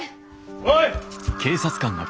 おい！